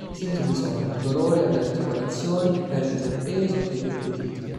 I sintomi sono: dolori alle articolazioni, perdita di peso e di appetito.